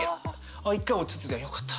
あっ一回落ち着いたよかった。